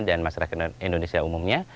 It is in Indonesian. dan masyarakat indonesia umumnya